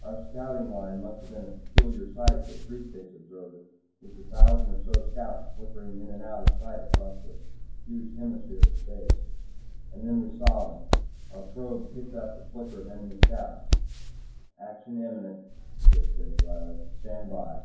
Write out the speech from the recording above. Our scouting line must have been a peculiar sight to a threespace observer with the thousand or so scouts flickering in and out of sight across a huge hemisphere of space. And then we saw them. Our probe picked up the flicker of enemy scouts. "Action imminent," Chase said drily. "Stand by."